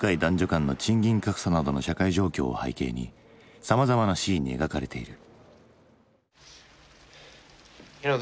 間の賃金格差などの社会状況を背景にさまざまなシーンに描かれている。